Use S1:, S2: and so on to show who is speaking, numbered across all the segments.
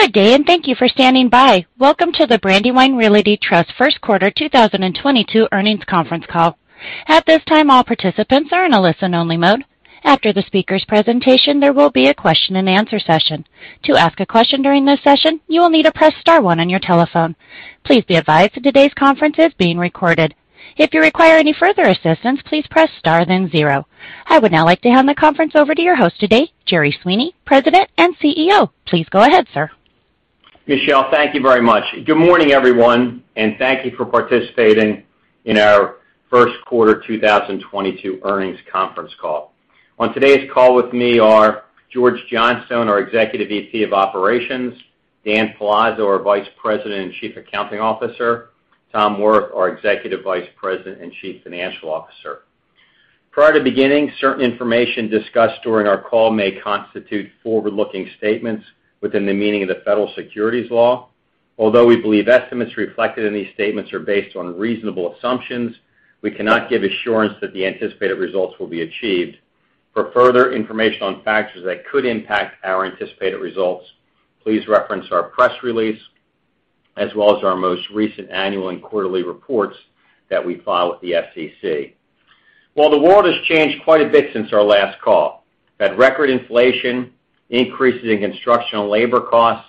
S1: Good day, and thank you for standing by. Welcome to the Brandywine Realty Trust First Quarter 2022 Earnings Conference Call. At this time, all participants are in a listen-only mode. After the speakers' presentation, there will be a question-and-answer session. To ask a question during this session, you will need to press star one on your telephone. Please be advised that today's conference is being recorded. If you require any further assistance, please press star, then zero. I would now like to hand the conference over to your host today, Jerry Sweeney, President and CEO. Please go ahead, sir.
S2: Michelle, thank you very much. Good morning, everyone, and thank you for participating in our First Quarter 2022 Earnings Conference Call. On today's call with me are George Johnstone, our Executive VP of Operations, Dan Palazzo, our Vice President and Chief Accounting Officer, Tom Wirth, our Executive Vice President and Chief Financial Officer. Prior to beginning, certain information discussed during our call may constitute forward-looking statements within the meaning of the federal securities law. Although we believe estimates reflected in these statements are based on reasonable assumptions, we cannot give assurance that the anticipated results will be achieved. For further information on factors that could impact our anticipated results, please reference our press release as well as our most recent annual and quarterly reports that we file with the SEC. While the world has changed quite a bit since our last call, that record inflation, increases in construction and labor costs,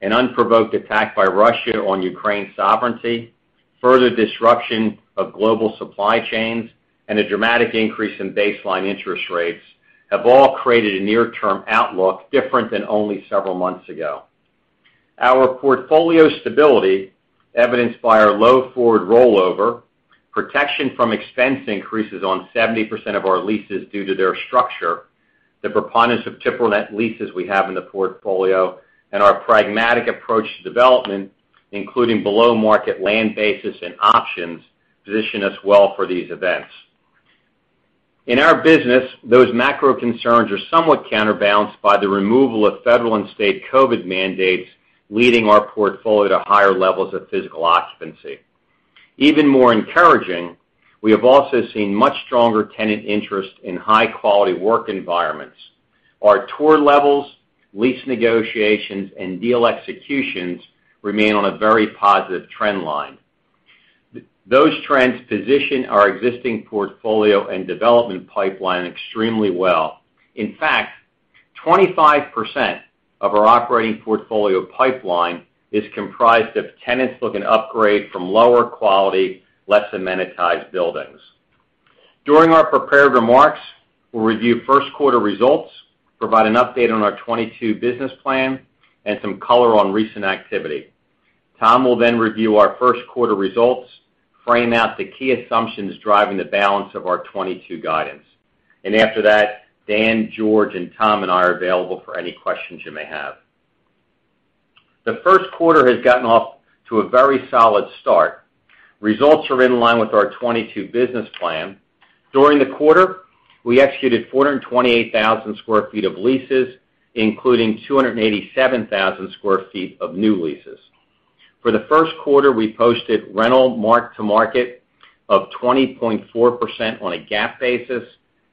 S2: an unprovoked attack by Russia on Ukraine's sovereignty, further disruption of global supply chains, and a dramatic increase in baseline interest rates have all created a near-term outlook different than only several months ago. Our portfolio stability, evidenced by our low forward rollover, protection from expense increases on 70% of our leases due to their structure, the preponderance of triple net leases we have in the portfolio, and our pragmatic approach to development, including below-market land bases and options, position us well for these events. In our business, those macro concerns are somewhat counterbalanced by the removal of federal and state COVID mandates, leading our portfolio to higher levels of physical occupancy. Even more encouraging, we have also seen much stronger tenant interest in high-quality work environments. Our tour levels, lease negotiations, and deal executions remain on a very positive trend line. Those trends position our existing portfolio and development pipeline extremely well. In fact, 25% of our operating portfolio pipeline is comprised of tenants looking to upgrade from lower quality, less amenitized buildings. During our prepared remarks, we'll review First Quarter results, provide an update on our 2022 business plan, and some color on recent activity. Tom will then review our first quarter results, frame out the key assumptions driving the balance of our 2022 guidance. After that, Dan, George, and Tom and I are available for any questions you may have. The first quarter has gotten off to a very solid start. Results are in line with our 2022 business plan. During the quarter, we executed 428,000 sq ft of leases, including 287,000 sq ft of new leases. For the first quarter, we posted rental mark-to-market of 20.4% on a GAAP basis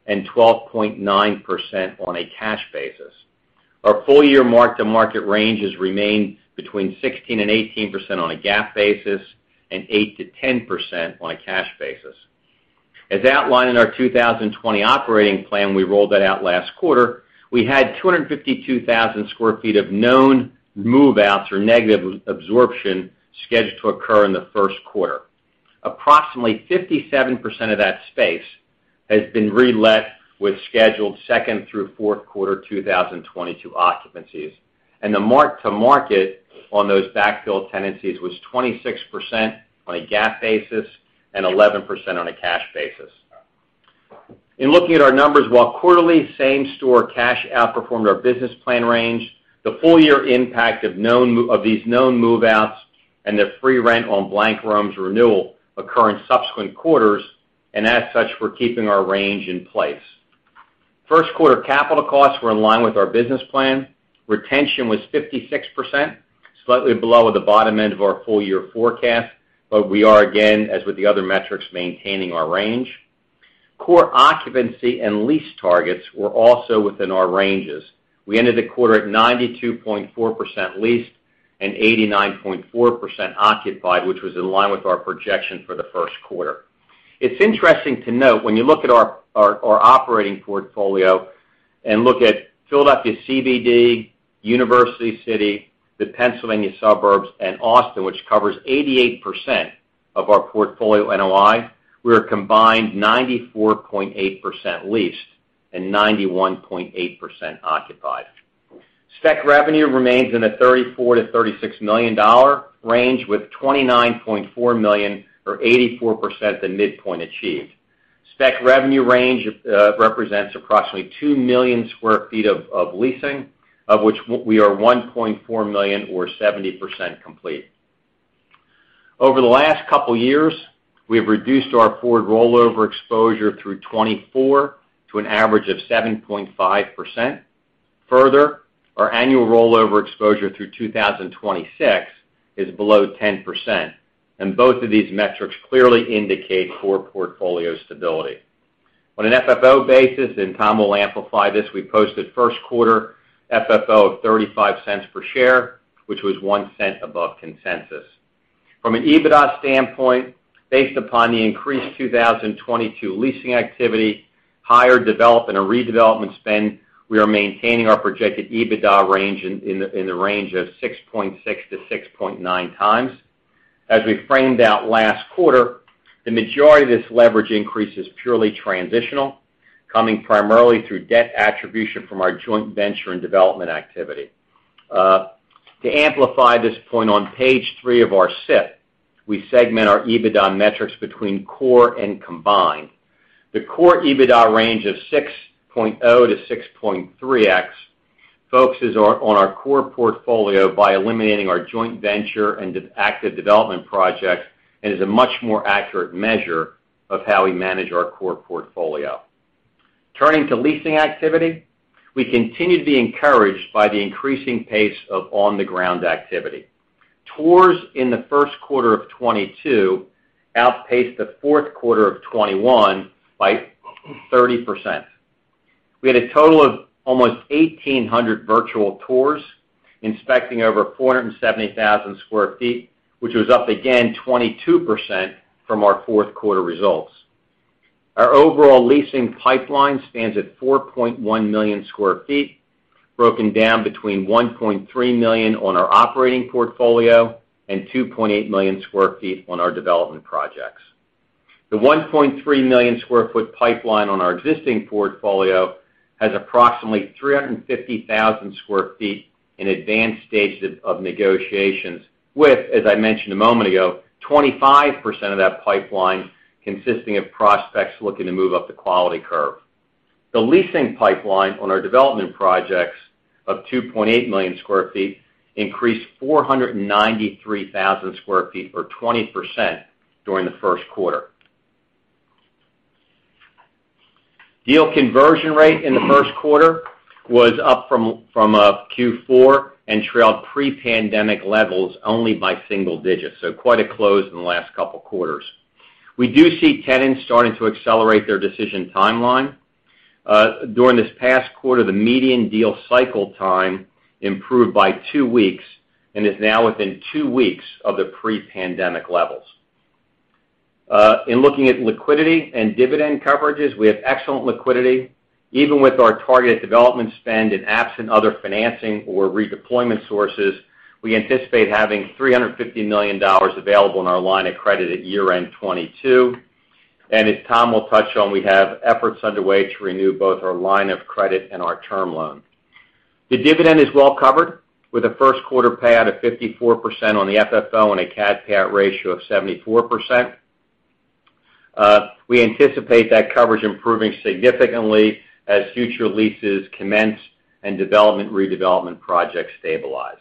S2: and 12.9% on a cash basis. Our full year mark-to-market range has remained between 16%-18% on a GAAP basis and 8%-10% on a cash basis. As outlined in our 2020 operating plan we rolled out last quarter, we had 252,000 sq ft of known move-outs or negative absorption scheduled to occur in the first quarter. Approximately 57% of that space has been relet with scheduled second through fourth quarter 2022 occupancies, and the mark-to-market on those backfill tenancies was 26% on a GAAP basis and 11% on a cash basis. In looking at our numbers, while quarterly same store cash outperformed our business plan range, the full year impact of these known move-outs and the free rent on Blank Rome's renewal occur in subsequent quarters, and as such, we're keeping our range in place. First quarter capital costs were in line with our business plan. Retention was 56%, slightly below the bottom end of our full year forecast, but we are again, as with the other metrics, maintaining our range. Core occupancy and lease targets were also within our ranges. We ended the quarter at 92.4% leased and 89.4% occupied, which was in line with our projection for the first quarter. It's interesting to note when you look at our operating portfolio and look at Philadelphia CBD, University City, the Pennsylvania suburbs, and Austin, which covers 88% of our portfolio NOI, we are a combined 94.8% leased and 91.8% occupied. Spec revenue remains in the $34 million-$36 million range with $29.4 million or 84% the midpoint achieved. Spec revenue range represents approximately 2 million sq ft of leasing, of which we are 1.4 million or 70% complete. Over the last couple years, we have reduced our forward rollover exposure through 2024 to an average of 7.5%. Further, our annual rollover exposure through 2026 is below 10%, and both of these metrics clearly indicate core portfolio stability. On an FFO basis, and Tom will amplify this, we posted First Quarter FFO of $0.35 per share, which was $0.01 above consensus. From an EBITDA standpoint, based upon the increased 2022 leasing activity, higher development or redevelopment spend, we are maintaining our projected EBITDA range in the range of 6.6x-6.9x. As we framed out last quarter, the majority of this leverage increase is purely transitional, coming primarily through debt attribution from our joint venture and development activity. To amplify this point, on page 3 of our SIP, we segment our EBITDA metrics between core and combined. The core EBITDA range of 6.0-6.3x focuses on our core portfolio by eliminating our joint venture and active development projects, and is a much more accurate measure of how we manage our core portfolio. Turning to leasing activity, we continue to be encouraged by the increasing pace of on-the-ground activity. Tours in the First Quarter of 2022 outpaced the Fourth Quarter of 2021 by 30%. We had a total of almost 1,800 virtual tours inspecting over 470,000 sq ft, which was up 22% from our Fourth quarter results. Our overall leasing pipeline stands at 4.1 million sq ft, broken down between 1.3 million on our operating portfolio and 2.8 million sq ft on our development projects. The 1.3 million sq ft pipeline on our existing portfolio has approximately 350,000 sq ft in advanced stages of negotiations with, as I mentioned a moment ago, 25% of that pipeline consisting of prospects looking to move up the quality curve. The leasing pipeline on our development projects of 2.8 million sq ft increased 493,000 sq ft or 20% during the First Quarter. Deal conversion rate in the first quarter was up from Q4 and trailed pre-pandemic levels only by single digits, so quite close in the last couple quarters. We do see tenants starting to accelerate their decision timeline. During this past quarter, the median deal cycle time improved by two weeks and is now within two weeks of the pre-pandemic levels. In looking at liquidity and dividend coverages, we have excellent liquidity. Even with our target development spend and absent other financing or redeployment sources, we anticipate having $350 million available in our line of credit at year-end 2022. As Tom will touch on, we have efforts underway to renew both our line of credit and our term loan. The dividend is well covered with a First Quarter payout of 54% on the FFO and a CAD payout ratio of 74%. We anticipate that coverage improving significantly as future leases commence and development, redevelopment projects stabilize.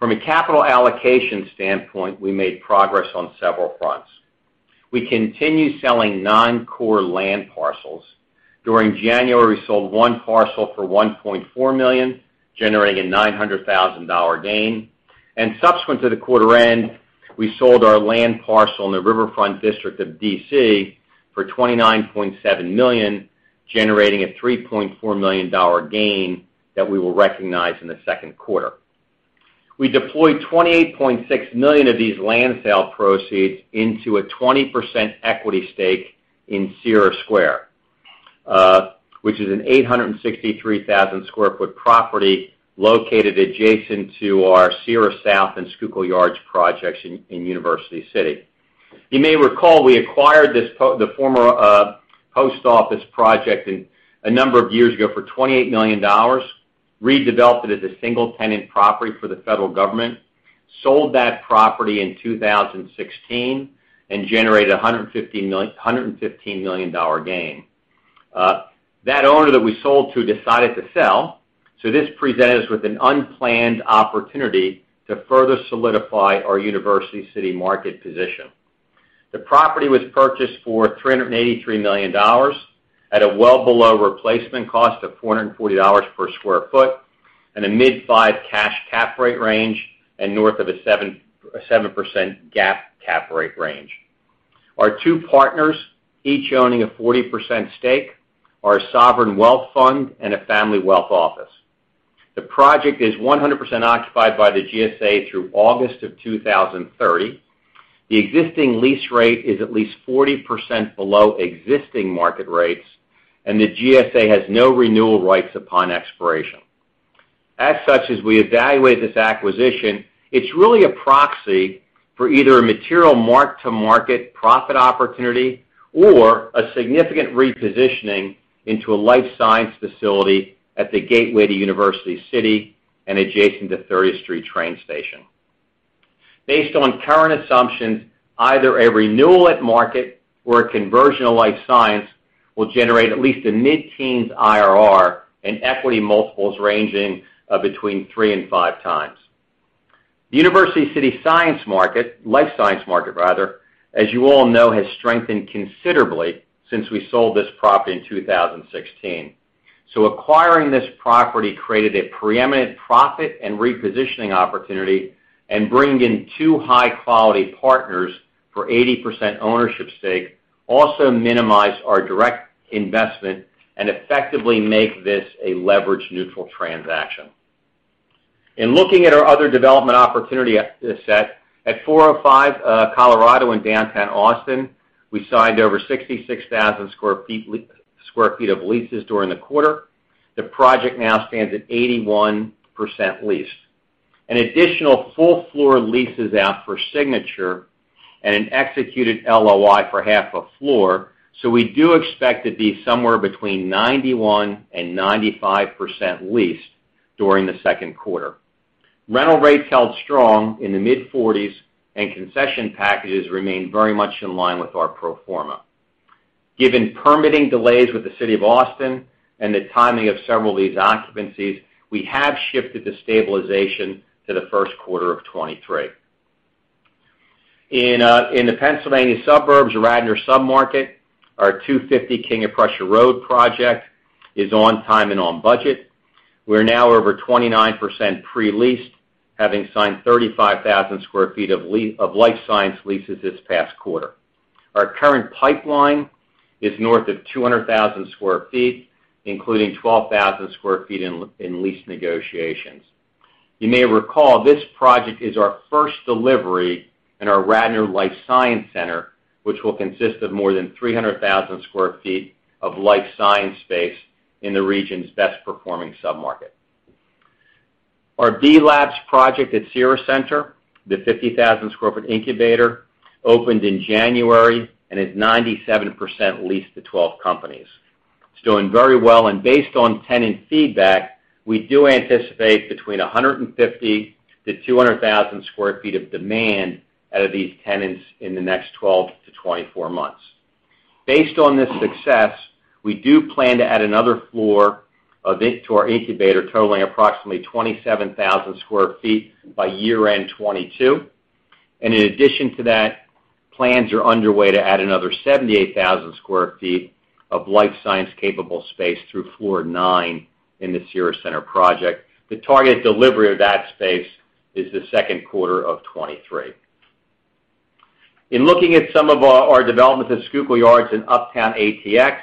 S2: From a capital allocation standpoint, we made progress on several fronts. We continue selling non-core land parcels. During January, we sold one parcel for $1.4 million, generating a $900,000 gain. Subsequent to the quarter end, we sold our land parcel in the Riverfront District of D.C. for $29.7 million, generating a $3.4 million gain that we will recognize in the second quarter. We deployed $28.6 million of these land sale proceeds into a 20% equity stake in Cira Square, which is an 863,000 sq ft property located adjacent to our Sierra South and Schuylkill Yards projects in University City. You may recall we acquired the former post office project a number of years ago for $28 million, redeveloped it as a single-tenant property for the federal government, sold that property in 2016, and generated a $115 million gain. That owner that we sold to decided to sell, so this presented us with an unplanned opportunity to further solidify our University City market position. The property was purchased for $383 million at a well below replacement cost of $440 per sq ft and a mid-5% cash cap rate range and north of a 7% GAAP cap rate range. Our two partners, each owning a 40% stake, are a sovereign wealth fund and a family wealth office. The project is 100% occupied by the GSA through August of 2030. The existing lease rate is at least 40% below existing market rates, and the GSA has no renewal rights upon expiration. As such, as we evaluate this acquisition, it's really a proxy for either a material mark-to-market profit opportunity or a significant repositioning into a life science facility at the gateway to University City and adjacent to 30th Street Station. Based on current assumptions, either a renewal at market or a conversion to life science will generate at least a mid-teens IRR and equity multiples ranging between 3x and 5x. The University City science market, life science market rather, as you all know, has strengthened considerably since we sold this property in 2016. Acquiring this property created a preeminent profit and repositioning opportunity and bring in two high-quality partners for 80% ownership stake, also minimize our direct investment and effectively make this a leverage-neutral transaction. In looking at our other development opportunity asset, at 405 Colorado in downtown Austin, we signed over 66,000 sq ft of leases during the quarter. The project now stands at 81% leased. An additional full floor lease is out for signature and an executed LOI for half a floor, so we do expect to be somewhere between 91%-95% leased during the second quarter. Rental rates held strong in the mid-$40s and concession packages remained very much in line with our pro forma. Given permitting delays with the City of Austin and the timing of several of these occupancies, we have shifted the stabilization to the first quarter of 2023. In the Pennsylvania suburbs, Radnor submarket, our 250 King of Prussia Road project is on time and on budget. We're now over 29% pre-leased, having signed 35,000 sq ft of life science leases this past quarter. Our current pipeline is north of 200,000 sq ft, including 12,000 sq ft in lease negotiations. You may recall, this project is our first delivery in our Radnor Life Science Center, which will consist of more than 300,000 sq ft of life science space in the region's best performing submarket. Our B+labs project at Cira Centre, the 50,000-square-foot incubator, opened in January and is 97% leased to 12 companies. It's doing very well, and based on tenant feedback, we do anticipate between 150-200,000 sq ft of demand out of these tenants in the next 12 to 24 months. Based on this success, we do plan to add another floor of it to our incubator, totaling approximately 27,000 sq ft by year-end 2022. In addition to that, plans are underway to add another 78,000 sq ft of life science capable space through floor nine in the Cira Centre project. The target delivery of that space is the second quarter of 2023. In looking at some of our developments at Schuylkill Yards in Uptown ATX,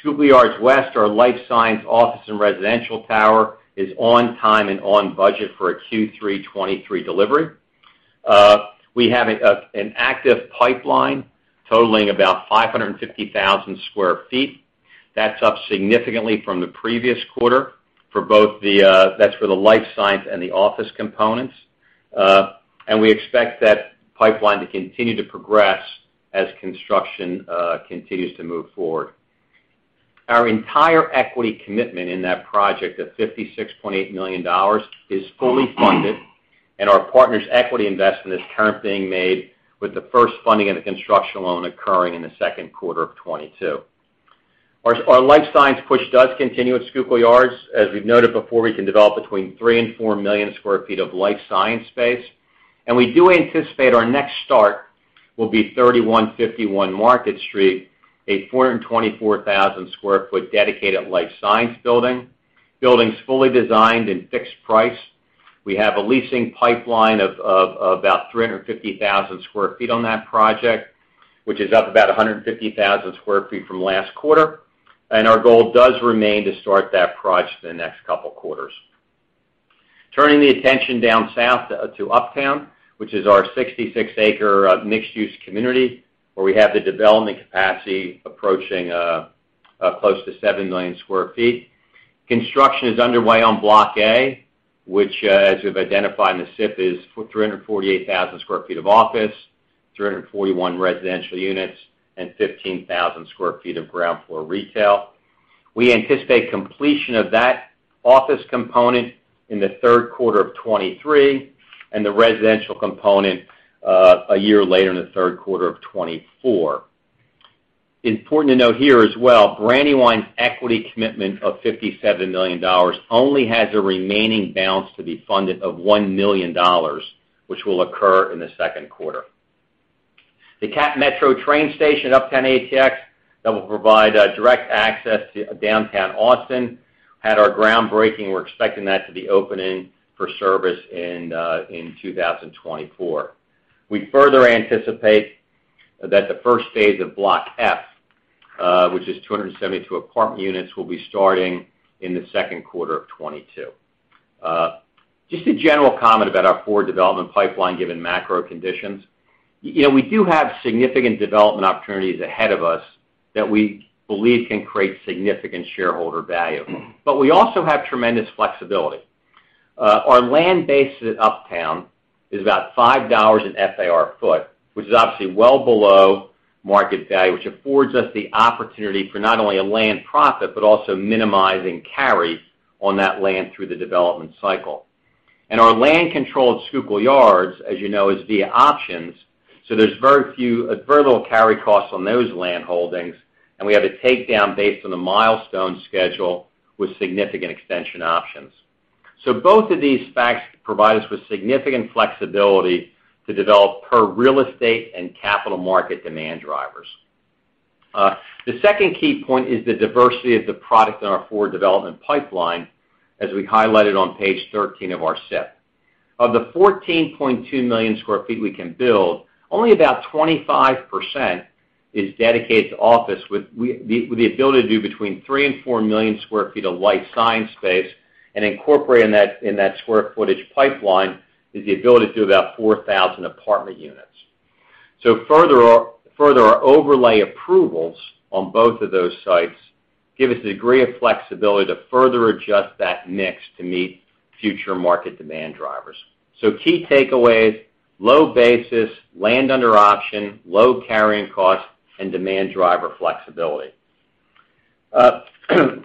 S2: Schuylkill Yards West, our life science office and residential tower, is on time and on budget for a Q3 2023 delivery. We have an active pipeline totaling about 550,000 sq ft. That's up significantly from the previous quarter for both the life science and the office components. We expect that pipeline to continue to progress as construction continues to move forward. Our entire equity commitment in that project of $56.8 million is fully funded, and our partner's equity investment is currently being made with the first funding of the construction loan occurring in the second quarter of 2022. Our life science push does continue at Schuylkill Yards. As we've noted before, we can develop between 3-4 million sq ft of life science space. We do anticipate our next start will be 3151 Market Street, a 424,000 sq ft dedicated life science building. Building's fully designed and fixed price. We have a leasing pipeline of about 350,000 sq ft on that project, which is up about 150,000 sq ft from last quarter. Our goal does remain to start that project in the next couple quarters. Turning the attention down south to Uptown, which is our 66-acre mixed-use community, where we have the development capacity approaching close to 7 million sq ft. Construction is underway on Block A, which, as we've identified in the SIP, is 348,000 sq ft of office, 341 residential units, and 15,000 sq ft of ground floor retail. We anticipate completion of that office component in the third quarter of 2023, and the residential component, a year later in the third quarter of 2024. Important to note here as well, Brandywine's equity commitment of $57 million only has a remaining balance to be funded of $1 million, which will occur in the second quarter. The CapMetro train station, Uptown ATX, that will provide direct access to downtown Austin, had our groundbreaking. We're expecting that to be opening for service in 2024. We further anticipate that the first phase of Block F, which is 272 apartment units, will be starting in the second quarter of 2022. Just a general comment about our forward development pipeline given macro conditions. You know, we do have significant development opportunities ahead of us that we believe can create significant shareholder value. We also have tremendous flexibility. Our land base at Uptown is about $5 per FAR foot, which is obviously well below market value, which affords us the opportunity for not only a land profit, but also minimizing carry on that land through the development cycle. Our land control at Schuylkill Yards, as you know, is via options, so there's very little carry costs on those land holdings, and we have a takedown based on the milestone schedule with significant extension options. Both of these facts provide us with significant flexibility to develop per real estate and capital market demand drivers. The second key point is the diversity of the product in our forward development pipeline, as we highlighted on page 13 of our SIP. Of the 14.2 million sq ft we can build, only about 25% is dedicated to office with the ability to do between 3-4 million sq ft of life science space and incorporate in that square footage pipeline is the ability to do about 4,000 apartment units. Further our overlay approvals on both of those sites give us a degree of flexibility to further adjust that mix to meet future market demand drivers. Key takeaways, low basis, land under option, low carrying costs and demand driver flexibility.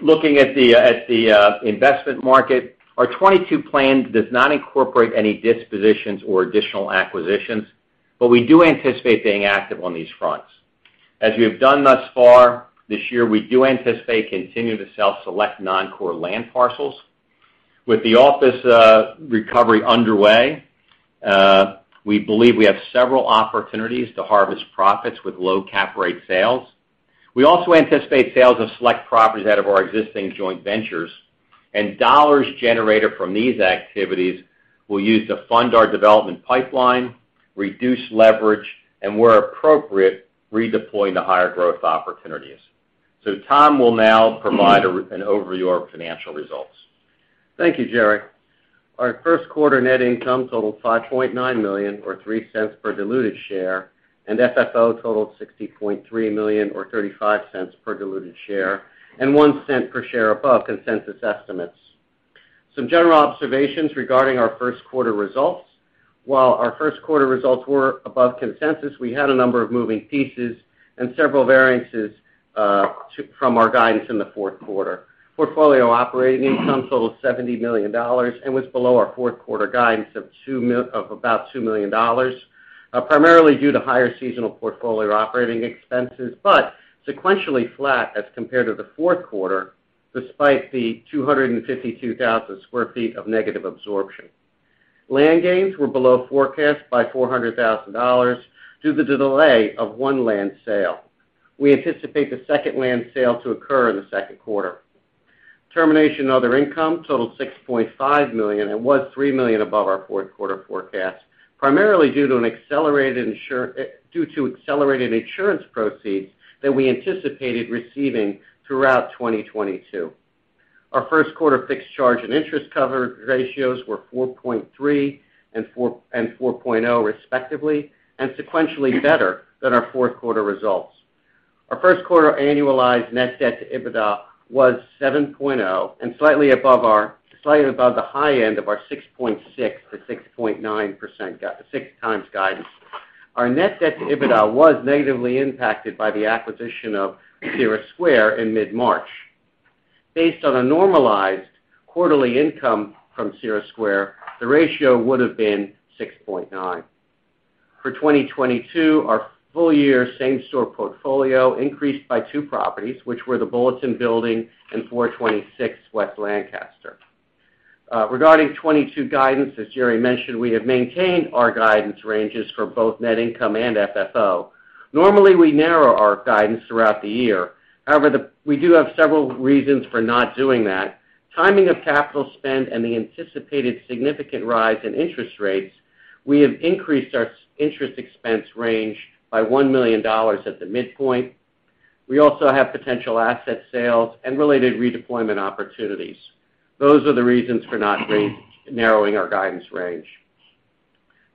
S2: Looking at the investment market, our 2022 plan does not incorporate any dispositions or additional acquisitions, but we do anticipate being active on these fronts. As we have done thus far this year, we do anticipate continuing to sell select non-core land parcels. With the office recovery underway, we believe we have several opportunities to harvest profits with low cap rate sales. We also anticipate sales of select properties out of our existing joint ventures, and dollars generated from these activities we'll use to fund our development pipeline, reduce leverage, and where appropriate, redeploying the higher growth opportunities. Tom will now provide an overview of financial results.
S3: Thank you, Jerry. Our first quarter net income totaled $5.9 million or $0.03 per diluted share, and FFO totaled $60.3 million or $0.35 per diluted share, and $0.01 per share above consensus estimates. Some general observations regarding our first quarter results. While our first quarter results were above consensus, we had a number of moving pieces and several variances from our guidance in the fourth quarter. Portfolio operating income totaled $70 million and was below our fourth quarter guidance of about $2 million, primarily due to higher seasonal portfolio operating expenses, but sequentially flat as compared to the fourth quarter, despite the 252,000 sq ft of negative absorption. Land gains were below forecast by $400,000 due to the delay of one land sale. We anticipate the second land sale to occur in the second quarter. Termination of other income totaled $6.5 million and was $3 million above our fourth quarter forecast, primarily due to accelerated insurance proceeds that we anticipated receiving throughout 2022. Our first quarter fixed charge and interest cover ratios were 4.3 and 4.0 respectively, and sequentially better than our fourth quarter results. Our first quarter annualized net debt to EBITDA was 7.0, and slightly above the high end of our 6.6-6.9 times guidance. Our net debt to EBITDA was negatively impacted by the acquisition of Cira Square in mid-March. Based on a normalized quarterly income from Cira Square, the ratio would've been 6.9x. For 2022, our full-year same-store portfolio increased by two properties, which were the Bulletin Building and 426 West Lancaster. Regarding 2022 guidance, as Jerry mentioned, we have maintained our guidance ranges for both net income and FFO. Normally, we narrow our guidance throughout the year. However, we do have several reasons for not doing that. Timing of capital spend and the anticipated significant rise in interest rates, we have increased our interest expense range by $1 million at the midpoint. We also have potential asset sales and related redeployment opportunities. Those are the reasons for not re-narrowing our guidance range.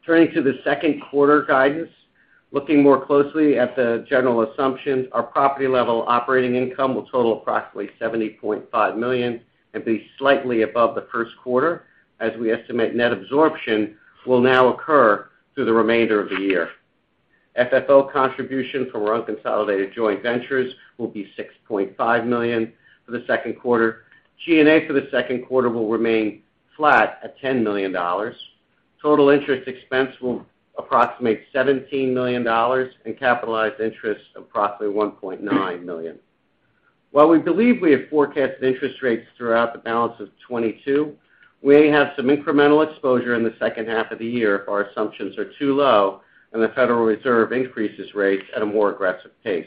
S3: Turning to the second quarter guidance. Looking more closely at the general assumptions, our property-level operating income will total approximately $70.5 million and be slightly above the first quarter, as we estimate net absorption will now occur through the remainder of the year. FFO contribution from our unconsolidated joint ventures will be $6.5 million for the second quarter. G&A for the second quarter will remain flat at $10 million. Total interest expense will approximate $17 million and capitalized interest of approximately $1.9 million. While we believe we have forecasted interest rates throughout the balance of 2022, we have some incremental exposure in the second half of the year if our assumptions are too low and the Federal Reserve increases rates at a more aggressive pace.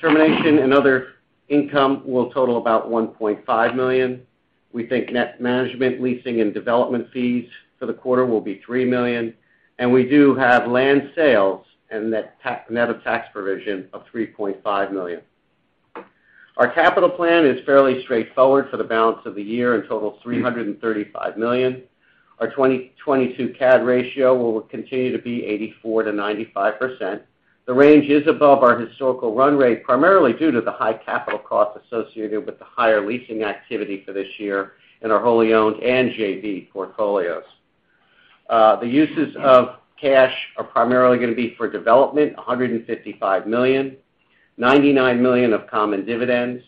S3: Termination and other income will total about $1.5 million. We think net management, leasing, and development fees for the quarter will be $3 million, and we do have land sales and net tax provision of $3.5 million. Our capital plan is fairly straightforward for the balance of the year and totals $335 million. Our 2022 CAD ratio will continue to be 84%-95%. The range is above our historical run rate, primarily due to the high capital costs associated with the higher leasing activity for this year in our wholly owned and JV portfolios. The uses of cash are primarily gonna be for development, $155 million, $99 million of common dividends,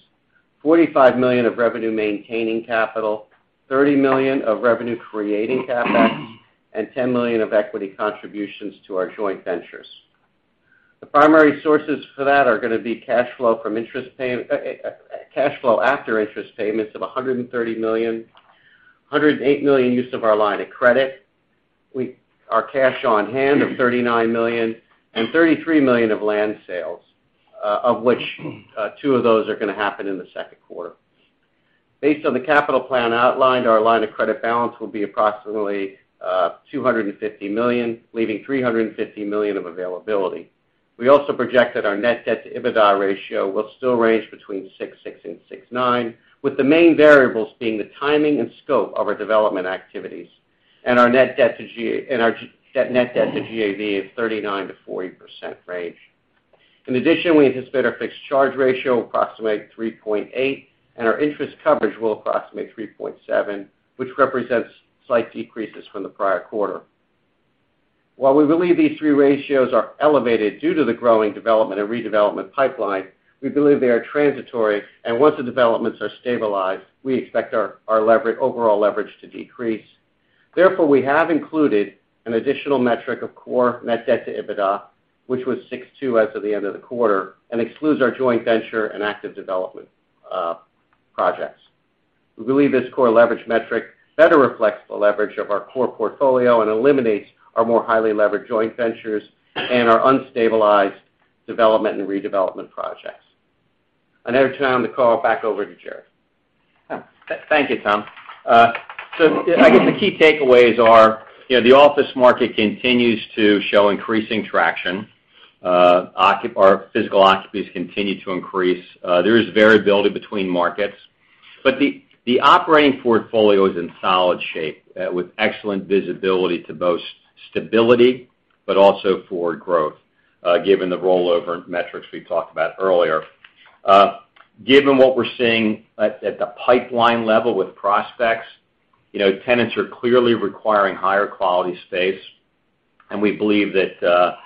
S3: $45 million of revenue maintaining capital, $30 million of revenue creating CapEx, and $10 million of equity contributions to our joint ventures. The primary sources for that are gonna be cash flow after interest payments of $130 million, $108 million use of our line of credit. Our cash on hand of $39 million and $33 million of land sales, of which 2 of those are gonna happen in the second quarter. Based on the capital plan outlined, our line of credit balance will be approximately $250 million, leaving $350 million of availability. We also project that our net debt to EBITDA ratio will still range between 6.6-6.9x, with the main variables being the timing and scope of our development activities, and our net debt to GAV is 39%-40% range. In addition, we anticipate our fixed charge ratio approximate 3.8x, and our interest coverage will approximate 3.7x, which represents slight decreases from the prior quarter. While we believe these three ratios are elevated due to the growing development and redevelopment pipeline, we believe they are transitory, and once the developments are stabilized, we expect our overall leverage to decrease. Therefore, we have included an additional metric of core net debt to EBITDA, which was 6.2x as of the end of the quarter, and excludes our joint venture and active development projects. We believe this core leverage metric better reflects the leverage of our core portfolio and eliminates our more highly leveraged joint ventures and our unstabilized development and redevelopment projects. Now I turn the call back over to Jerry.
S2: Thank you, Tom. I guess the key takeaways are, you know, the office market continues to show increasing traction. Our physical occupancies continue to increase. There is variability between markets. The operating portfolio is in solid shape, with excellent visibility to both stability but also for growth, given the rollover metrics we talked about earlier. Given what we're seeing at the pipeline level with prospects, you know, tenants are clearly requiring higher quality space, and we believe that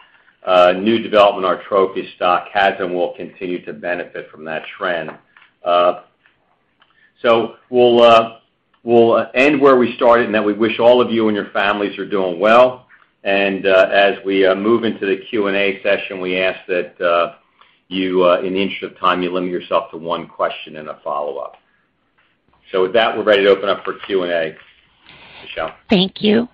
S2: new development, our trophy stock has and will continue to benefit from that trend. We'll end where we started, and that we wish all of you and your families are doing well. As we move into the Q&A session, we ask that you, in the interest of time, limit yourself to one question and a follow-up. With that, we're ready to open up for Q&A. Michelle.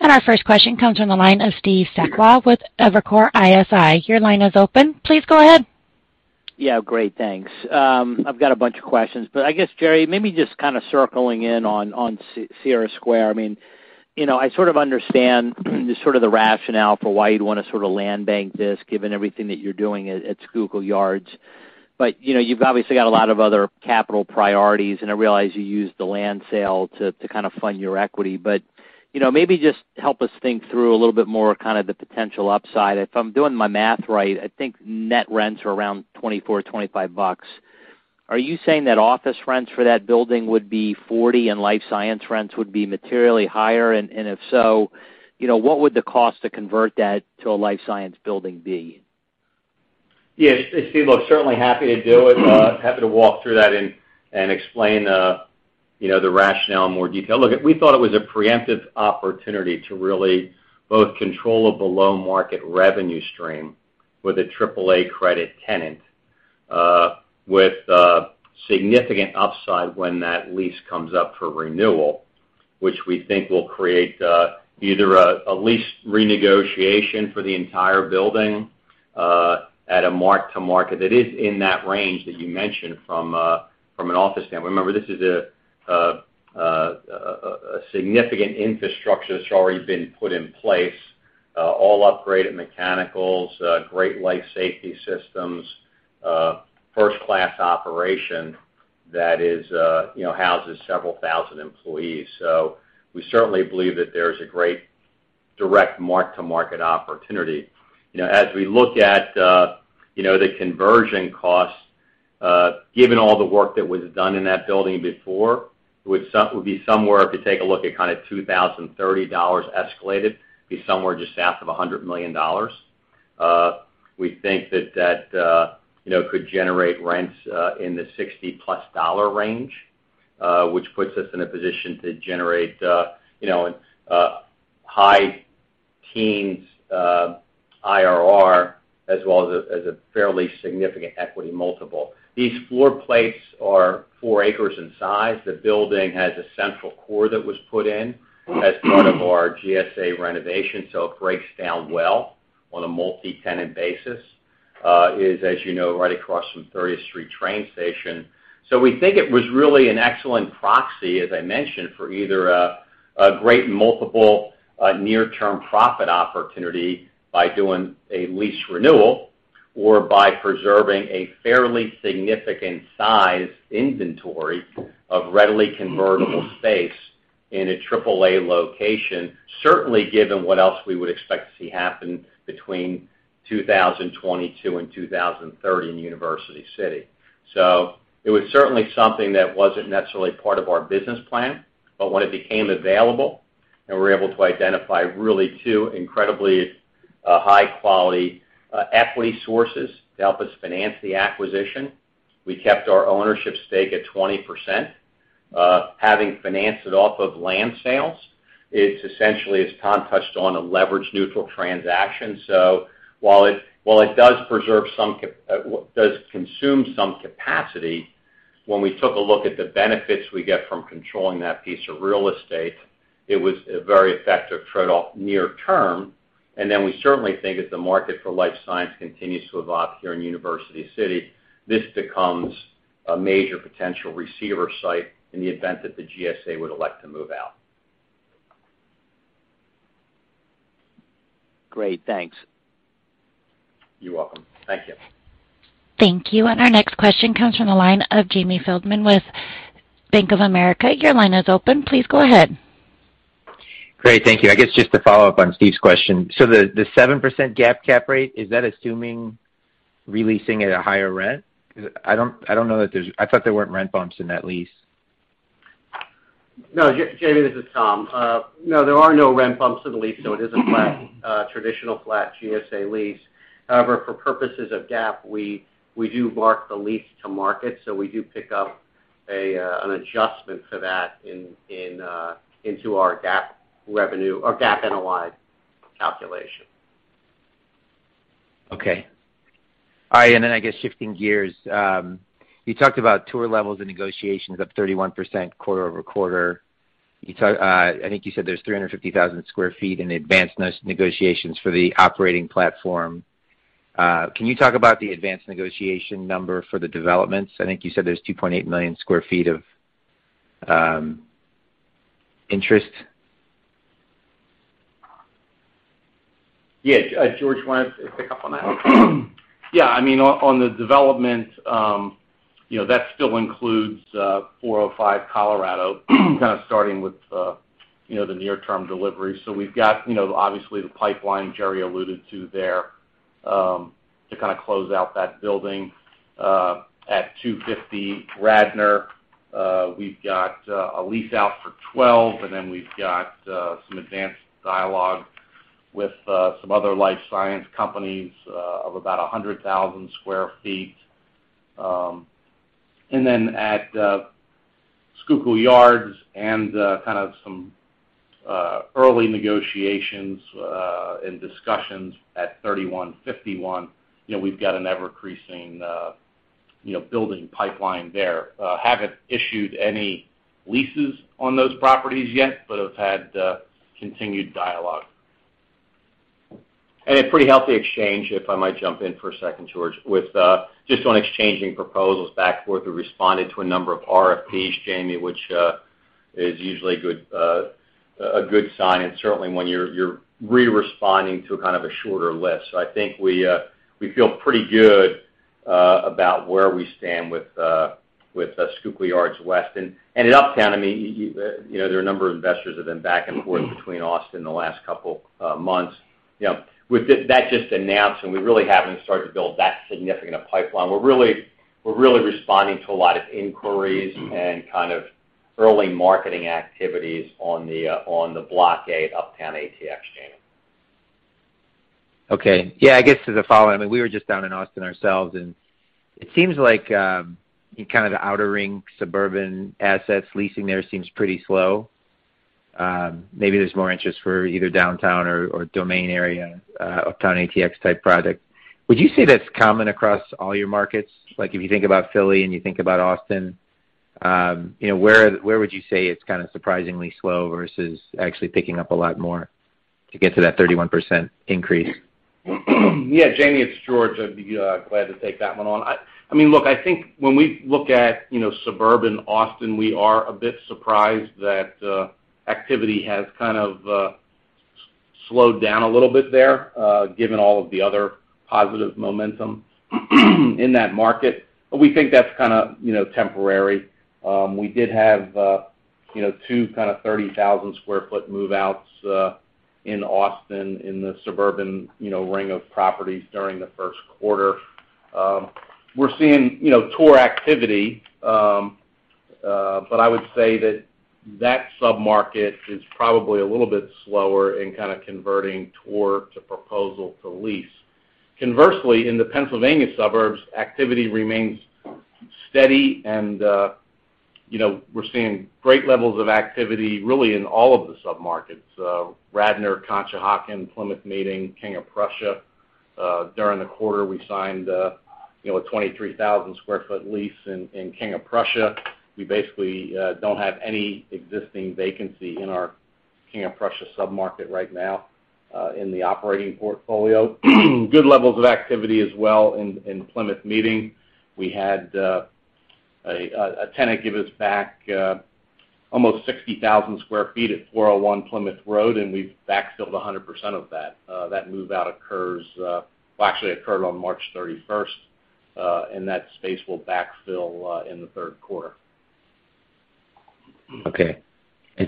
S1: Our first question comes from the line of Steve Sakwa with Evercore ISI. Your line is open. Please go ahead.
S4: Yeah. Great, thanks. I've got a bunch of questions, but I guess, Jerry, maybe just kind of circling in on Cira Square. I mean, you know, I sort of understand sort of the rationale for why you'd wanna sort of land bank this given everything that you're doing at Schuylkill Yards. You know, you've obviously got a lot of other capital priorities, and I realize you used the land sale to kind of fund your equity. You know, maybe just help us think through a little bit more kind of the potential upside. If I'm doing my math right, I think net rents are around $24-$25. Are you saying that office rents for that building would be $40 and life science rents would be materially higher? If so, you know, what would the cost to convert that to a life science building be?
S2: Yes. Steve, look, certainly happy to do it, happy to walk through that and explain, you know, the rationale in more detail. Look, we thought it was a preemptive opportunity to really both control a below-market revenue stream with a triple-A credit tenant, with significant upside when that lease comes up for renewal, which we think will create either a lease renegotiation for the entire building at a mark-to-market that is in that range that you mentioned from an office standpoint. Remember, this is a significant infrastructure that's already been put in place, all upgraded mechanicals, great life safety systems, first-class operation that is, you know, houses several thousand employees. So we certainly believe that there's a great direct mark-to-market opportunity. You know, as we look at the conversion costs, given all the work that was done in that building before, it would be somewhere, if you take a look at kind of $2,030 escalated, be somewhere just south of $100 million. We think that could generate rents in the $60+ range, which puts us in a position to generate high teens IRR, as well as a fairly significant equity multiple. These floor plates are 4 acres in size. The building has a central core that was put in as part of our GSA renovation, so it breaks down well on a multi-tenant basis. It is, as you know, right across from 30th Street Train Station. We think it was really an excellent proxy, as I mentioned, for either a great multiple, near-term profit opportunity by doing a lease renewal or by preserving a fairly significant size inventory of readily convertible space in a triple-A location, certainly given what else we would expect to see happen between 2022 and 2030 in University City. It was certainly something that wasn't necessarily part of our business plan. When it became available, and we were able to identify really two incredibly high-quality equity sources to help us finance the acquisition. We kept our ownership stake at 20%. Having financed it off of land sales, it's essentially, as Tom touched on, a leverage neutral transaction. While it does consume some capacity, when we took a look at the benefits we get from controlling that piece of real estate, it was a very effective trade-off near term. We certainly think as the market for life science continues to evolve here in University City, this becomes a major potential receiver site in the event that the GSA would elect to move out.
S4: Great. Thanks.
S2: You're welcome. Thank you.
S1: Thank you. Our next question comes from the line of Jamie Feldman with Bank of America. Your line is open. Please go ahead.
S5: Great. Thank you. I guess just to follow up on Steve's question. The 7% GAAP cap rate, is that assuming re-leasing at a higher rent? 'Cause I don't know that there's. I thought there weren't rent bumps in that lease.
S2: No, Jamie, this is Tom. No, there are no rent bumps in the lease, so it is a flat, traditional flat GSA lease. However, for purposes of GAAP, we do mark the lease to market, so we do pick up an adjustment for that into our GAAP revenue or GAAP NOI calculation.
S5: Okay. All right, I guess shifting gears. You talked about tour levels and negotiations up 31% quarter-over-quarter. You talk, I think you said there's 350,000 sq ft in advanced negotiations for the operating platform. Can you talk about the advanced negotiation number for the developments? I think you said there's 2.8 million sq ft of interest.
S2: Yeah. George, you wanna pick up on that?
S6: Yeah. I mean, on the development, you know, that still includes 405 Colorado, kind of starting with the near-term delivery. So we've got, you know, obviously the pipeline Jerry alluded to there, to kind of close out that building. At 250 Radnor, we've got a lease out for 12, and then we've got some advanced dialogue with some other life science companies of about 100,000 sq ft. And then at Schuylkill Yards and kind of some early negotiations and discussions at 3151, you know, we've got an ever-increasing building pipeline there. Haven't issued any leases on those properties yet, but have had continued dialogue. A pretty healthy exchange, if I might jump in for a second, George, with just on exchanging proposals back and forth. We responded to a number of RFPs, Jamie, which is usually a good sign, and certainly when you're responding to kind of a shorter list. I think we feel pretty good about where we stand with Schuylkill Yards West. In Uptown, I mean, you know, there are a number of investors that have been back and forth between Austin the last couple months. You know, with that just announced, and we really haven't started to build that significant a pipeline. We're really responding to a lot of inquiries and kind of early marketing activities on the block A at Uptown ATX, Jamie.
S5: Okay. Yeah, I guess as a follow-on, I mean, we were just down in Austin ourselves, and it seems like in kind of the outer ring suburban assets, leasing there seems pretty slow. Maybe there's more interest for either downtown or Domain area, Uptown ATX type project. Would you say that's common across all your markets? Like, if you think about Philly and you think about Austin, you know, where would you say it's kind of surprisingly slow versus actually picking up a lot more to get to that 31% increase?
S6: Yeah, Jamie, it's George. I'd be glad to take that one on. I mean, look, I think when we look at suburban Austin, we are a bit surprised that activity has kind of slowed down a little bit there, given all of the other positive momentum in that market. We think that's kinda temporary. We did have two kind of 30,000-sq-ft move-outs in Austin in the suburban ring of properties during the first quarter. We're seeing tour activity, but I would say that sub-market is probably a little bit slower in kind of converting tour to proposal to lease. Conversely, in the Pennsylvania suburbs, activity remains steady and we're seeing great levels of activity really in all of the sub-markets. Radnor, Conshohocken, Plymouth Meeting, King of Prussia. During the quarter, we signed, you know, a 23,000-square-foot lease in King of Prussia. We basically don't have any existing vacancy in our King of Prussia sub-market right now in the operating portfolio. Good levels of activity as well in Plymouth Meeting. We had a tenant give us back almost 60,000 sq ft at 401 Plymouth Road, and we've backfilled 100% of that. That move-out occurs, well, actually occurred on March 31, and that space will backfill in the third quarter.
S5: Okay.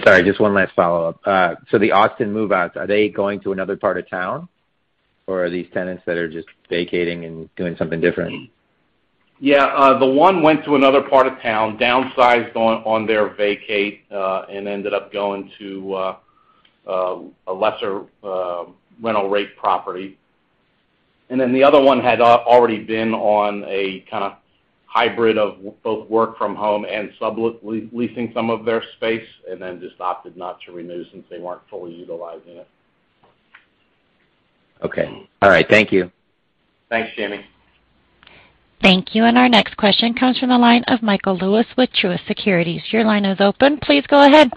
S5: Sorry, just one last follow-up. The Austin move-outs, are they going to another part of town, or are these tenants that are just vacating and doing something different?
S2: Yeah, the one went to another part of town, downsized on their vacate, and ended up going to a lesser rental rate property. Then the other one had already been on a kinda hybrid of both work from home and subletting some of their space, and then just opted not to renew since they weren't fully utilizing it. Okay. All right. Thank you. Thanks, Jamie.
S1: Thank you. Our next question comes from the line of Michael Lewis with Truist Securities. Your line is open. Please go ahead.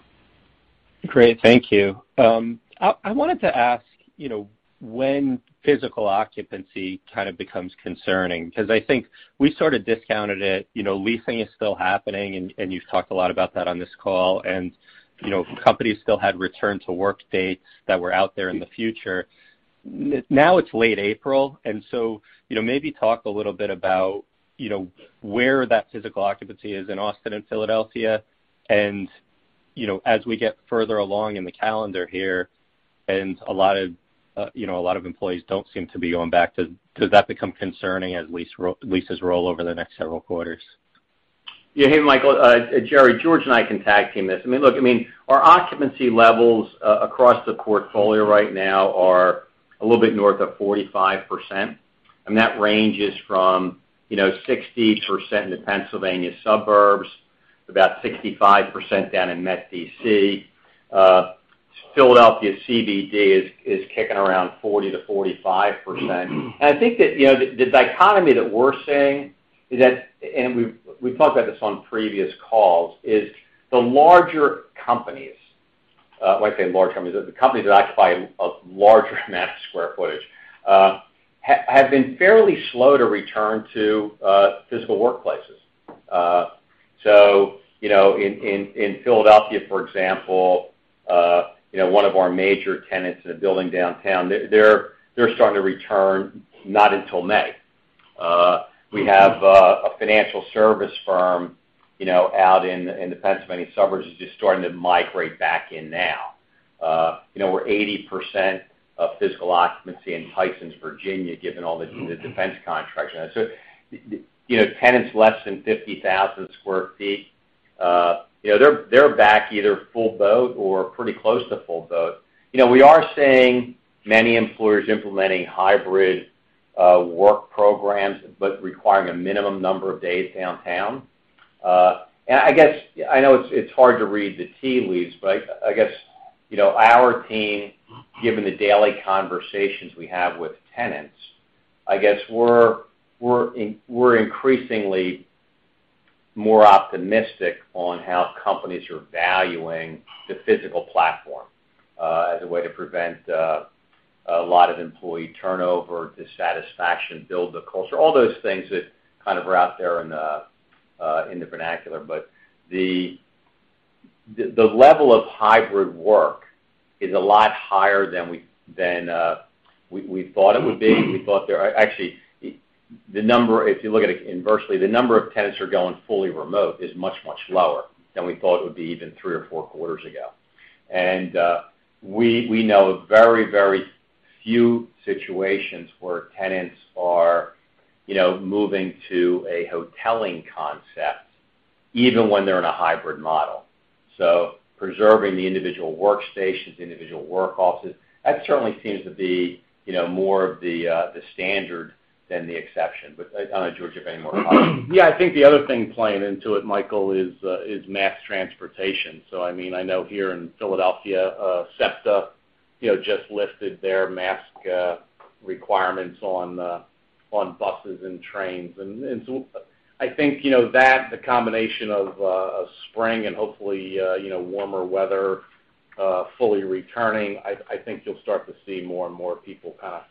S7: Great. Thank you. I wanted to ask, you know, when physical occupancy kind of becomes concerning because I think we sort of discounted it, you know, leasing is still happening and you've talked a lot about that on this call. You know, companies still had return to work dates that were out there in the future. Now it's late April, and so, you know, maybe talk a little bit about, you know, where that physical occupancy is in Austin and Philadelphia. You know, as we get further along in the calendar here and a lot of, you know, a lot of employees don't seem to be going back, does that become concerning as leases roll over the next several quarters?
S2: Yeah. Hey, Michael, Jerry, George, and I can tag team this. I mean, look, I mean, our occupancy levels across the portfolio right now are a little bit north of 45%, and that ranges from, you know, 60% in the Pennsylvania suburbs, about 65% down in Metro D.C. Philadelphia CBD is kicking around 40%-45%. I think that, you know, the dichotomy that we're seeing is that, and we've talked about this on previous calls, is the larger companies, when I say large companies, the companies that occupy a larger amount of square footage, have been fairly slow to return to physical workplaces. You know, in Philadelphia, for example, you know, one of our major tenants in a building downtown, they're starting to return not until May. We have a financial service firm, you know, out in the Pennsylvania suburbs just starting to migrate back in now. You know, we're 80% of physical occupancy in Tysons, Virginia, given all the
S7: Mm-hmm.
S2: The defense contracts. You know, tenants less than 50,000 sq ft, you know, they're back either full boat or pretty close to full boat. You know, we are seeing many employers implementing hybrid work programs, but requiring a minimum number of days downtown. I guess I know it's hard to read the tea leaves, but I guess, you know, our team, given the daily conversations we have with tenants, I guess we're increasingly more optimistic on how companies are valuing the physical platform as a way to prevent a lot of employee turnover, dissatisfaction, build the culture, all those things that kind of are out there in the vernacular. The level of hybrid work is a lot higher than we thought it would be. Actually, the number, if you look at it inversely, the number of tenants who are going fully remote is much, much lower than we thought it would be even three or four quarters ago. We know of very, very few situations where tenants are, you know, moving to a hoteling concept, even when they're in a hybrid model. Preserving the individual workstations, individual work offices, that certainly seems to be, you know, more of the standard than the exception. I don't know, George, if any more comments.
S6: Yeah. I think the other thing playing into it, Michael, is mass transportation. I mean, I know here in Philadelphia, SEPTA, you know, just lifted their mask requirements on buses and trains. I think, you know, that the combination of spring and hopefully, you know, warmer weather fully returning, I think you'll start to see more and more people kind of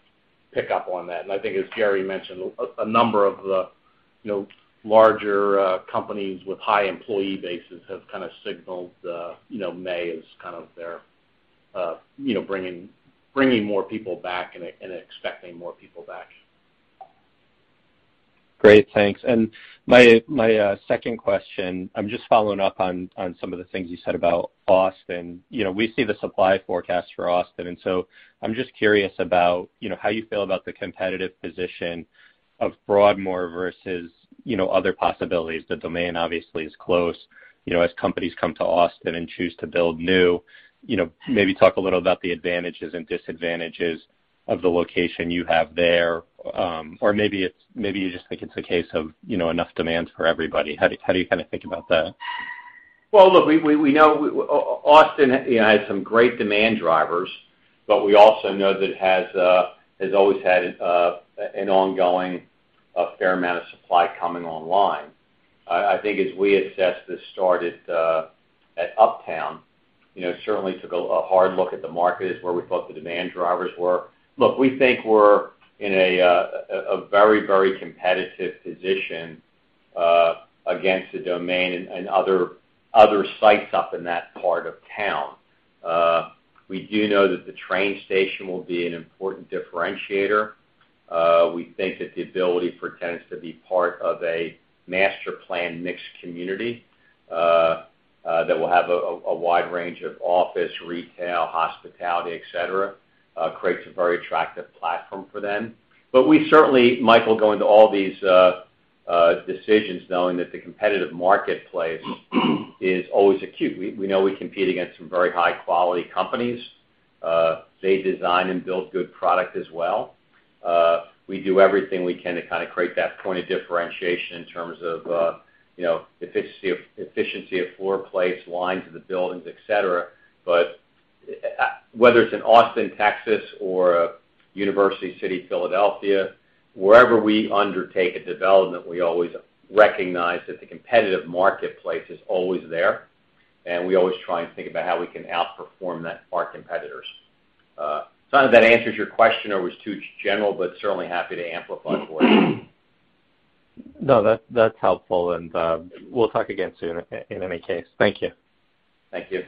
S6: pick up on that. I think, as Jerry mentioned, a number of the larger companies with high employee bases have kind of signaled May as kind of their bringing more people back and expecting more people back.
S7: Great. Thanks. My second question, I'm just following up on some of the things you said about Austin. You know, we see the supply forecast for Austin, and so I'm just curious about, you know, how you feel about the competitive position of Broadmoor versus, you know, other possibilities. The Domain obviously is close. You know, as companies come to Austin and choose to build new, you know, maybe talk a little about the advantages and disadvantages of the location you have there. Or maybe you just think it's a case of, you know, enough demand for everybody. How do you kinda think about that?
S2: Well, look, we know Austin, you know, has some great demand drivers, but we also know that it has always had an ongoing fair amount of supply coming online. I think as we assessed this site at Uptown, you know, we certainly took a hard look at the markets where we thought the demand drivers were. Look, we think we're in a very competitive position against The Domain and other sites up in that part of town. We do know that the train station will be an important differentiator. We think that the ability for tenants to be part of a master planned mixed community that will have a wide range of office, retail, hospitality, et cetera, creates a very attractive platform for them. We certainly, Michael, go into all these decisions knowing that the competitive marketplace is always acute. We know we compete against some very high-quality companies. They design and build good product as well. We do everything we can to kinda create that point of differentiation in terms of, you know, efficiency of floorplate, lines of the buildings, et cetera. Whether it's in Austin, Texas, or University City, Philadelphia, wherever we undertake a development, we always recognize that the competitive marketplace is always there, and we always try and think about how we can outperform that our competitors. I don't know if that answers your question or was too general, but certainly happy to amplify for you.
S7: No, that's helpful. We'll talk again soon in any case. Thank you.
S2: Thank you.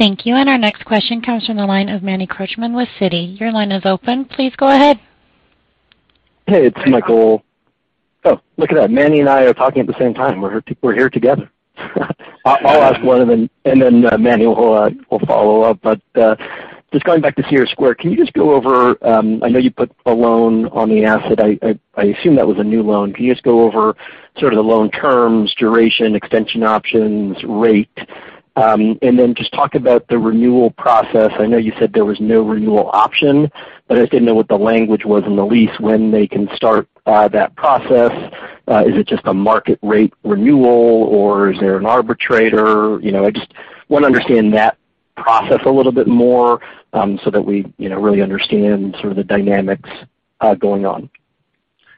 S1: Thank you. Our next question comes from the line of Emmanuel Korchman with Citi. Your line is open. Please go ahead.
S8: Hey, it's Michael. Oh, look at that. Manny and I are talking at the same time. We're here together. I'll ask one of them and then Manny will follow up. Just going back to Cira Square, can you just go over? I know you put a loan on the asset. I assume that was a new loan. Can you just go over sort of the loan terms, duration, extension options, rate, and then just talk about the renewal process? I know you said there was no renewal option, but I didn't know what the language was in the lease when they can start that process. Is it just a market rate renewal, or is there an arbitrator? You know, I just wanna understand that process a little bit more, so that we, you know, really understand sort of the dynamics going on.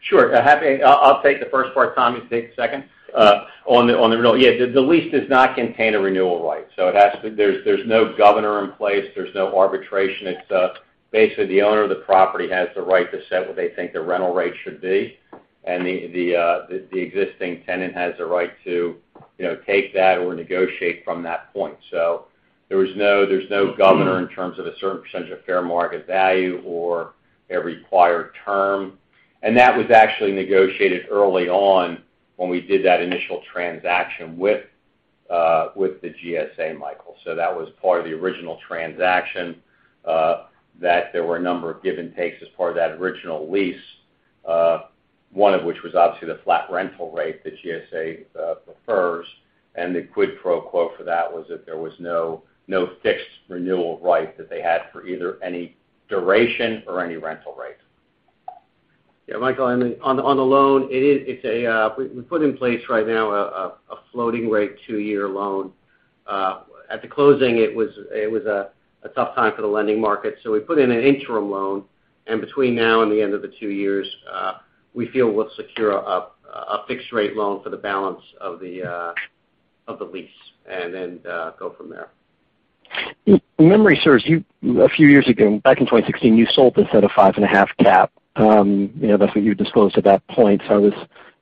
S2: Sure. I'll take the first part. Tom, take the second. On the renewal, yeah, the lease does not contain a renewal right. There's no governor in place. There's no arbitration. It's basically the owner of the property has the right to set what they think the rental rate should be. The existing tenant has the right to, you know, take that or negotiate from that point. There's no governor in terms of a certain percentage of fair market value or a required term. That was actually negotiated early on when we did that initial transaction with the GSA, Michael. That was part of the original transaction, that there were a number of give and takes as part of that original lease, one of which was obviously the flat rental rate that GSA prefers. The quid pro quo for that was that there was no fixed renewal right that they had for either any duration or any rental rate.
S3: Yeah, Michael, on the loan, it's a floating rate two-year loan we put in place right now. At the closing, it was a tough time for the lending market, so we put in an interim loan. Between now and the end of the two years, we feel we'll secure a fixed rate loan for the balance of the lease and then go from there.
S9: If memory serves you, a few years ago, back in 2016, you sold this at a 5.5% cap. You know, that's what you disclosed at that point. I was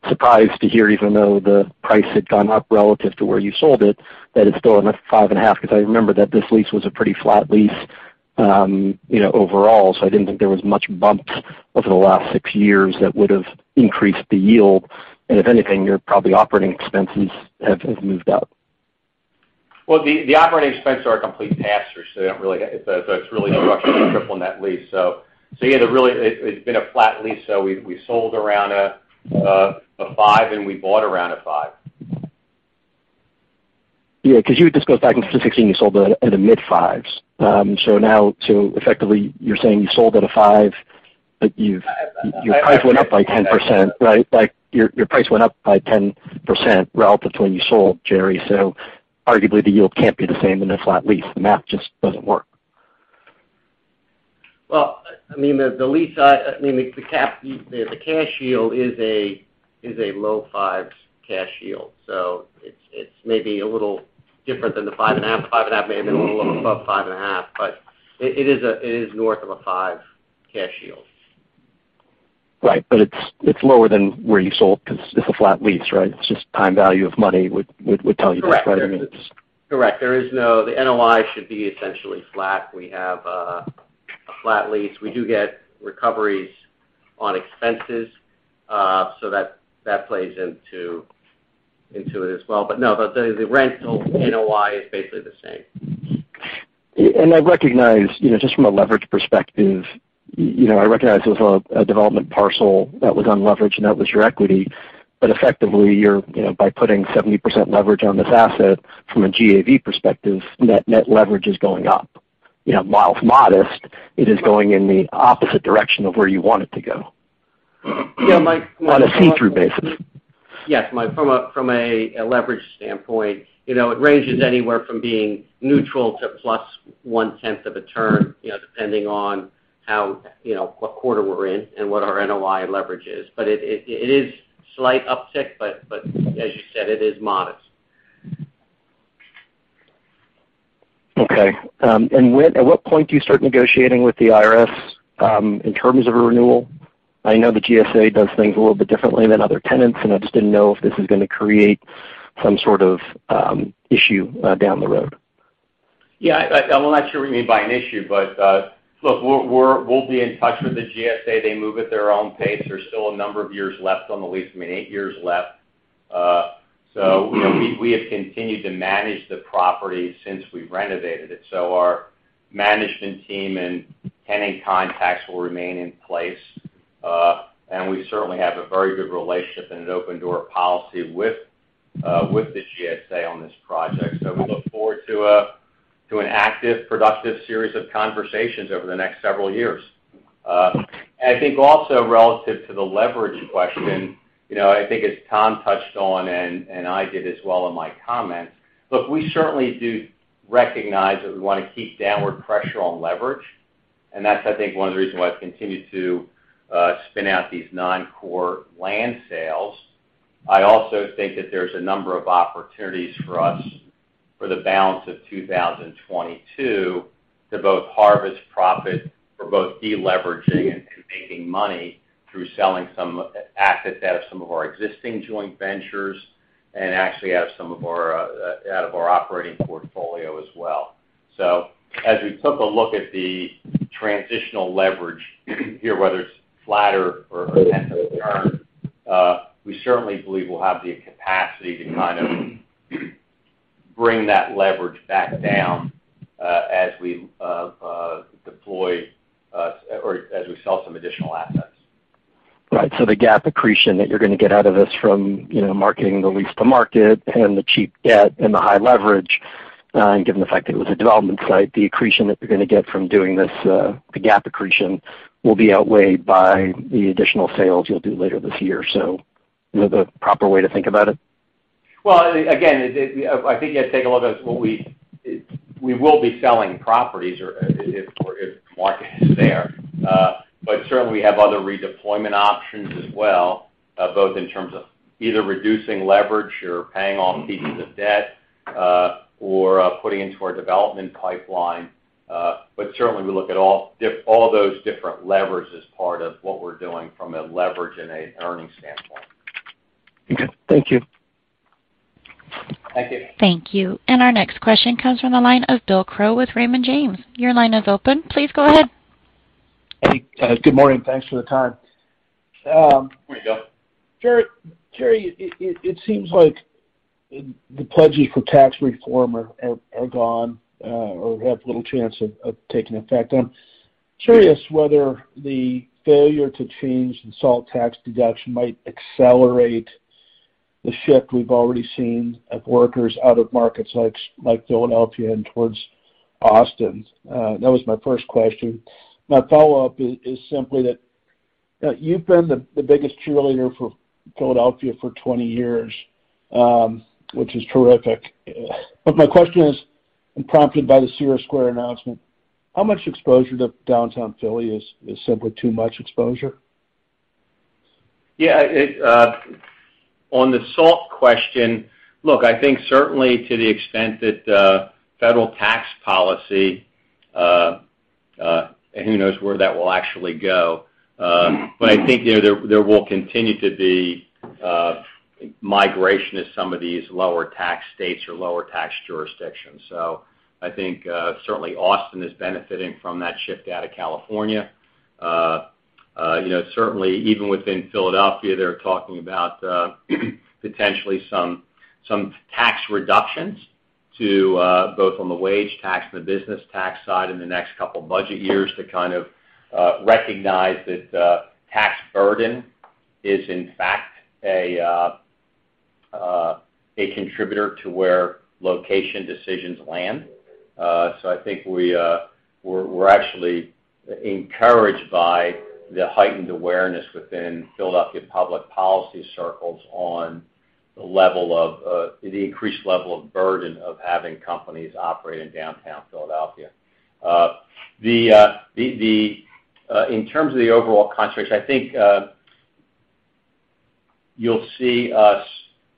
S9: surprised to hear, even though the price had gone up relative to where you sold it, that it's still in a 5.5%, 'cause I remember that this lease was a pretty flat lease, you know, overall. I didn't think there was much bumps over the last six years that would've increased the yield. If anything, your operating expenses have probably moved up.
S2: Well, the operating expenses are a complete pass-through, so it's really a structured triple net lease. Yeah, it's been a flat lease. We sold around a 5%, and we bought around a 5%.
S9: Yeah, 'cause you disclosed back in 2016 you sold the in the mid-fives. Now, effectively you're saying you sold at a 5%, but Your price went up by 10%, right? Like, your price went up by 10% relative to when you sold, Jerry. Arguably, the yield can't be the same in a flat lease. The math just doesn't work.
S3: Well, I mean, the lease, I mean, the cash yield is a low 5s cash yield. So it's maybe a little different than the 5.5X. The 5.5X may have been a little above 5.5X, but it is north of a 5X cash yield.
S9: Right. It's lower than where you sold 'cause it's a flat lease, right? It's just time value of money would tell you that, right? I mean, it's
S3: Correct. The NOI should be essentially flat. We have a flat lease. We do get recoveries on expenses, so that plays into it as well. No, the rental NOI is basically the same.
S9: I recognize, you know, just from a leverage perspective, you know, I recognize there's a development parcel that was unleveraged and that was your equity. Effectively, you're, you know, by putting 70% leverage on this asset from a GAV perspective, net leverage is going up. You know, while it's modest, it is going in the opposite direction of where you want it to go.
S3: Yeah, Mike
S9: On a see-through basis.
S3: Yes, Mike, from a leverage standpoint, you know, it ranges anywhere from being neutral to plus 0.1 of a turn, you know, depending on what quarter we're in and what our NOI leverage is. It is a slight uptick, but as you said, it is modest.
S9: Okay. At what point do you start negotiating with the GSA, in terms of a renewal? I know the GSA does things a little bit differently than other tenants, and I just didn't know if this is gonna create some sort of issue down the road.
S2: Well, I'm not sure what you mean by an issue, but look, we'll be in touch with the GSA. They move at their own pace. There's still a number of years left on the lease, I mean, eight years left. You know, we have continued to manage the property since we renovated it. Our management team and tenant contacts will remain in place. We certainly have a very good relationship and an open door policy with the GSA on this project. We look forward to an active, productive series of conversations over the next several years. I think also relative to the leverage question, you know, I think as Tom touched on, and I did as well in my comments, look, we certainly do recognize that we wanna keep downward pressure on leverage, and that's, I think, one of the reasons why it's continued to spin out these non-core land sales. I also think that there's a number of opportunities for us for the balance of 2022 to both harvest profit for both de-leveraging and making money through selling some assets out of some of our existing joint ventures, and actually out of some of our operating portfolio as well. As we took a look at the transitional leverage here, whether it's flatter or tend to return, we certainly believe we'll have the capacity to kind of bring that leverage back down as we deploy or as we sell some additional assets.
S9: Right. The GAAP accretion that you're gonna get out of this from, you know, marking the lease to market and the cheap debt and the high leverage, and given the fact that it was a development site, the accretion that you're gonna get from doing this, the GAAP accretion will be outweighed by the additional sales you'll do later this year. Is that the proper way to think about it?
S2: Well, again, I think you have to take a look at what we will be selling properties or if the market is there. Certainly we have other redeployment options as well, both in terms of either reducing leverage or paying off pieces of debt, or putting into our development pipeline. Certainly we look at all those different levers as part of what we're doing from a leverage and an earnings standpoint.
S9: Okay. Thank you.
S2: Thank you.
S1: Thank you. Our next question comes from the line of Bill Crow with Raymond James. Your line is open. Please go ahead.
S10: Hey. Good morning. Thanks for the time.
S2: Here you go.
S10: Jerry, it seems like the pledges for tax reform are gone or have little chance of taking effect. I'm curious whether the failure to change the SALT tax deduction might accelerate the shift we've already seen of workers out of markets like Philadelphia and towards Austin. That was my first question. My follow-up is simply that you've been the biggest cheerleader for Philadelphia for 20 years, which is terrific. My question is, prompted by the Cira Square announcement, how much exposure to downtown Philly is simply too much exposure?
S2: Yeah. On the SALT question, look, I think certainly to the extent that, federal tax policy, and who knows where that will actually go, but I think, you know, there will continue to be, migration to some of these lower tax states or lower tax jurisdictions. So I think, certainly Austin is benefiting from that shift out of California. You know, certainly even within Philadelphia, they're talking about, potentially some tax reductions to, both on the wage tax and the business tax side in the next couple budget years to kind of, recognize that, tax burden is in fact a contributor to where location decisions land. I think we're actually encouraged by the heightened awareness within Philadelphia public policy circles on the level of the increased level of burden of having companies operate in downtown Philadelphia. In terms of the overall context, I think you'll see us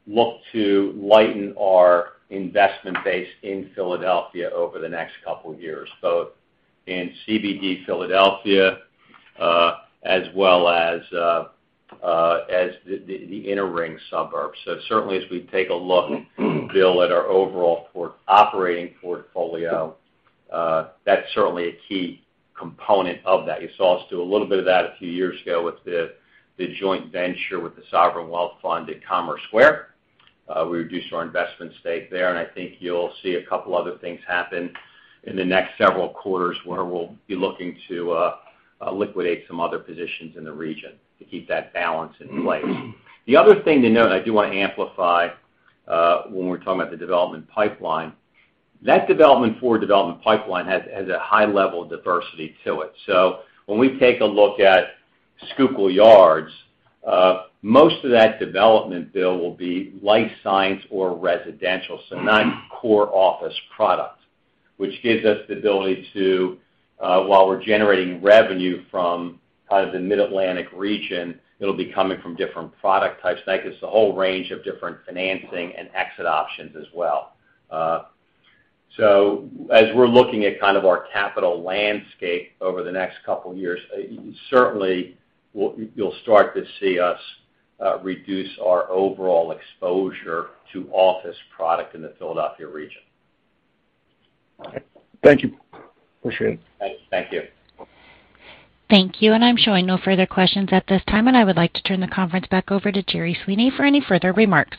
S2: look to lighten our investment base in Philadelphia over the next couple years, both in CBD Philadelphia as well as the inner ring suburbs. Certainly as we take a look, Bill, at our overall operating portfolio, that's certainly a key component of that. You saw us do a little bit of that a few years ago with the joint venture with the Sovereign Wealth Fund at Commerce Square. We reduced our investment stake there, and I think you'll see a couple other things happen in the next several quarters where we'll be looking to liquidate some other positions in the region to keep that balance in place. The other thing to note, and I do wanna amplify, when we're talking about the development pipeline, that development for development pipeline has a high level of diversity to it. So when we take a look at Schuylkill Yards, most of that development will be life science or residential. So not core office product, which gives us the ability to while we're generating revenue from kind of the Mid-Atlantic region, it'll be coming from different product types. I guess a whole range of different financing and exit options as well. As we're looking at kind of our capital landscape over the next couple years, certainly, you'll start to see us reduce our overall exposure to office product in the Philadelphia region.
S10: All right. Thank you. Appreciate it.
S2: Thank you.
S1: Thank you. I'm showing no further questions at this time, and I would like to turn the conference back over to Jerry Sweeney for any further remarks.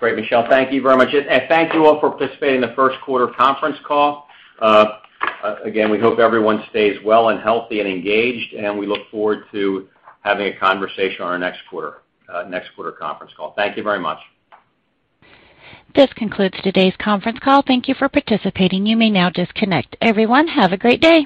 S2: Great, Michelle. Thank you very much. Thank you all for participating in the first quarter conference call. Again, we hope everyone stays well and healthy and engaged, and we look forward to having a conversation on our next quarter conference call. Thank you very much.
S1: This concludes today's conference call. Thank you for participating. You may now disconnect. Everyone, have a great day.